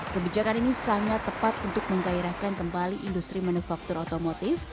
kebijakan ini sangat tepat untuk menggairahkan kembali industri manufaktur otomotif